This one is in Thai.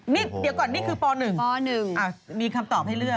นี่เดี๋ยวก่อนนี่คือป๑ป๑มีคำตอบให้เลือก